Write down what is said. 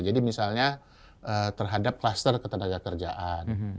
jadi misalnya terhadap kluster ketenagakerjaan